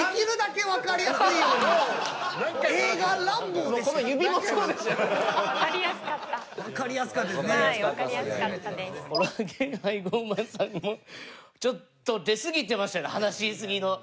はいごうまんさんもちょっと出すぎてましたね話しすぎの。